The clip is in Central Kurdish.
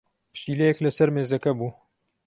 پشیلەیەک لەسەر مێزەکە بوو.